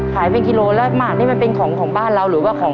ขายเป็นกิโลแล้วหมากนี่มันเป็นของของบ้านเราหรือว่าของ